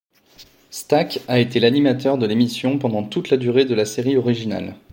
Stack a été l'animateur de l'émission pendant toute la durée de la série originale.